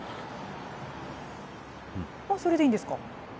それでいいんですか？